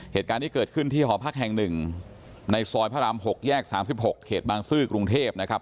เหตุการณ์นี้เกิดขึ้นที่หอพักแห่ง๑ในซอยพระราม๖แยก๓๖เขตบางซื่อกรุงเทพนะครับ